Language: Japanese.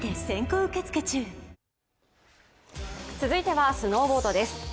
続いてはスノボードです。